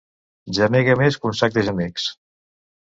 Gemega més que un sac de gemecs.